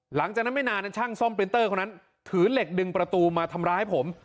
หลังจากนั้นไม่นานช่างซ่อมปรินเตอร์คนนั้นถือเหล็กดึงประตูมาทำร้ายผม